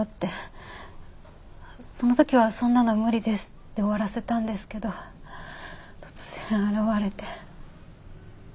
その時は「そんなの無理です」って終わらせたんですけど突然現れて。